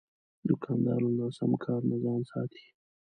دوکاندار له ناسم کار نه ځان ساتي.